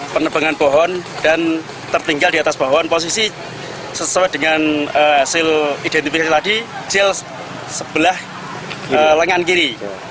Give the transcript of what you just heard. penebangan pohon dan tertinggal di atas pohon posisi sesuai dengan hasil identifikasi tadi jell sebelah lengan kiri